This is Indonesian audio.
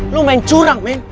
lu main curang men